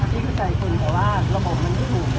ที่เข้าใจคุณแต่ว่าระบบมันไม่ถูก